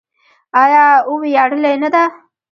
آیا او ویاړلې نه ده؟